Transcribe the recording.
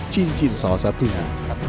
cincin salah satunya